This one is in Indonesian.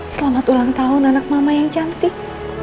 selamat ulang tahun anak mama yang cantik